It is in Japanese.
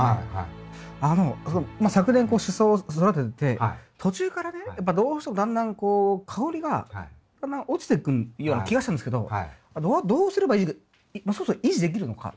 あの昨年こうシソを育ててて途中からねやっぱどうしてもだんだんこう香りがだんだん落ちていくような気がしたんですけどどうすれば維持がそもそも維持できるのか。